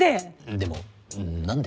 でも何で？